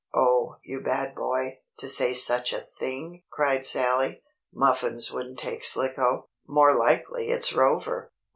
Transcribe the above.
"Oh, you bad boy, to say such a thing!" cried Sallie. "Muffins wouldn't take Slicko. More likely it's Rover!"